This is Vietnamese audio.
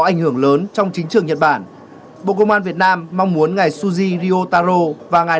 ảnh hưởng lớn trong chính trường nhật bản bộ công an việt nam mong muốn ngài suzy ryotaro và ngài